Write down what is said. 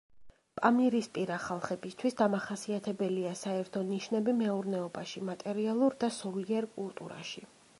პამირისპირა ხალხებისთვის დამახასიათებელია საერთო ნიშნები მეურნეობაში, მატერიალურ და სულიერ კულტურაში.